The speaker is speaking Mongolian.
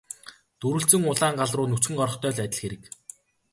Дүрэлзсэн улаан гал руу нүцгэн орохтой л адил хэрэг.